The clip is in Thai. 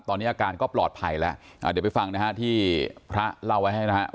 ตอนนี้อาการก็ปลอดภัยแล้วเดี๋ยวไปฟังนะฮะที่พระเล่าไว้ให้นะครับ